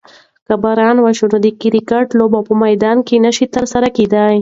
که باران وشي نو د کرکټ لوبه په میدان کې نشي ترسره کیدی.